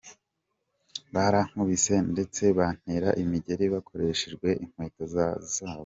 Barankubise ndetse bantera imigeri bakoreshejwe inkweto zabo.